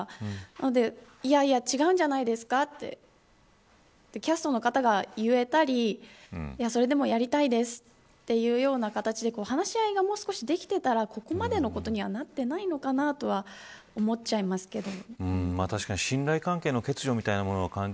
なので、いやいや違うんじゃないですかってキャストの方が言えたりそれでもやりたいですというような形で話し合いがもう少しできていればここまでのことにはなっていないのかなとは思っちゃいますけど。